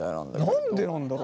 何でなんだろ？